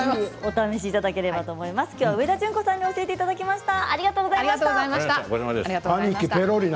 きょうは上田淳子さんに教えていただきました。